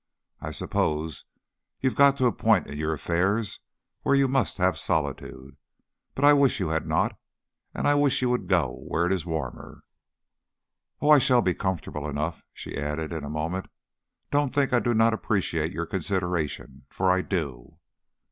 I suppose you have got to a point in your affairs where you must have solitude, but I wish you had not, and I wish you would go where it is warmer." "Oh, I shall be comfortable enough." She added in a moment, "Don't think I do not appreciate your consideration, for I do."